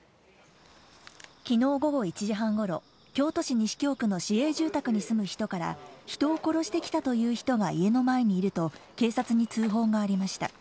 昨日午後１時半頃、京都市西京区の市営住宅に住む人から人を殺してきたという人が家の前にいると警察に通報がありました。